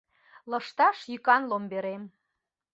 Лышташ йӱкан ломберем...